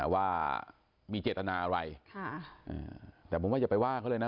ว่ามีเจตนาอะไรแต่ผมว่าอย่าไปว่าเขาเลยนะ